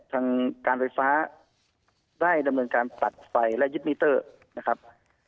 ทางการไฟฟ้าได้ดำเนินการตัดไฟและยึดมิเตอร์นะครับ